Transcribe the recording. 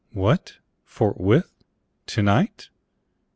What! forthwith? tonight?